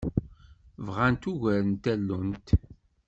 Bɣant ugar n tallunt.